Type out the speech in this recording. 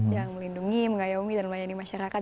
yang melindungi mengayomi dan melayani masyarakat